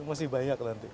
masih banyak loh nanti